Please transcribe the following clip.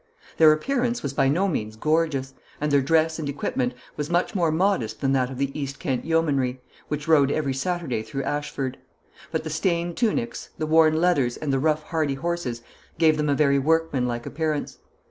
Their appearance was by no means gorgeous, and their dress and equipment was much more modest than that of the East Kent Yeomanry, which rode every Saturday through Ashford; but the stained tunics, the worn leathers, and the rough hardy horses gave them a very workmanlike appearance.